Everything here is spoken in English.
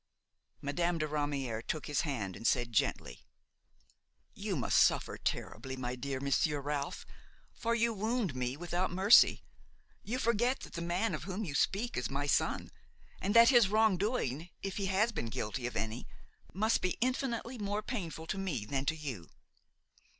Madame de Ramière took his hand and said gently: "You must suffer terribly, my dear Monsieur Ralph, for you wound me without mercy: you forget that the man of whom you speak is my son and that his wrong doing, if he has been guilty of any, must be infinitely more painful to me than to you."